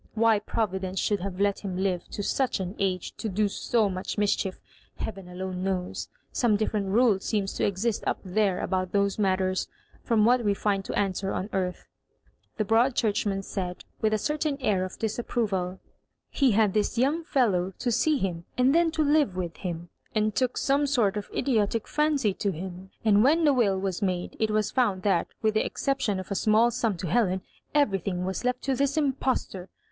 Why Providence should have let him live to such an age to do so much mischief, heaven alone knows. Some different rule seems to exist up Utere about those matters, from what we find to answer on earth," the Digitized by VjOOQIC 84 MISS MABJORIBANKa Broad Churcbman said, with a certain air of dis approval "He had this yottng fellow to see him and then to live with him, and took some sort of idiotic fancjr to him ; and when the will was made, it was found that, with the exception of a small sum to Helen, everything was left to this impostor.